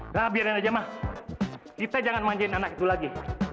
nah biarin aja mah kita jangan manggiin anak itu lagi